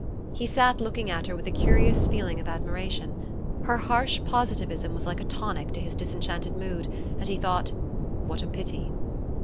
He sat looking at her with a curious feeling of admiration. Her harsh positivism was like a tonic to his disenchanted mood, and he thought: "What a pity!"